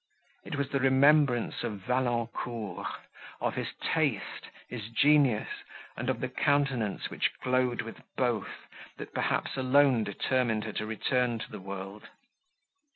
It was the remembrance of Valancourt, of his taste, his genius, and of the countenance which glowed with both, that, perhaps, alone determined her to return to the world.